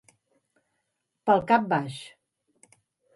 Pel cap baix.